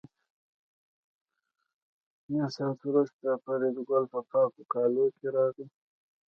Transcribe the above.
نیم ساعت وروسته فریدګل په پاکو کالو کې راغی